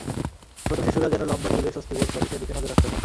ছোট শিশুরা যেন লম্বা চুলে স্বস্তি বোধ করে সেদিকে নজর রাখতে হবে।